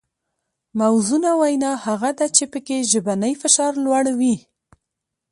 موزونه وینا هغه ده چې پکې ژبنی فشار لوړ وي